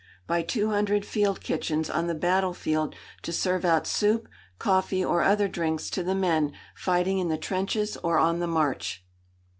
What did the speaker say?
By two hundred field kitchens on the battlefield to serve out soup, coffee or other drinks to the men fighting in the trenches or on the march."